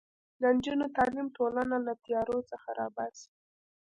د نجونو تعلیم ټولنه له تیارو څخه راباسي.